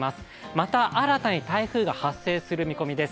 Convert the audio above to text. また新たに台風が発生する見込みです。